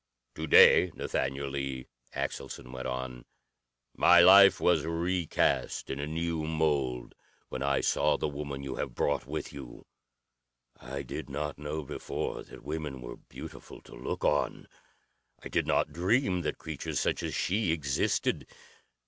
"To day, Nathaniel Lee," Axelson went on, "my life was recast in a new mould when I saw the woman you have brought with you. I did not know before that women were beautiful to look on. I did not dream that creatures such as she existed.